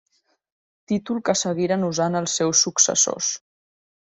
Títol que seguiren usant els seus successors.